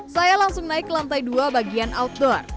saya langsung naik ke lantai dua bagian outdoor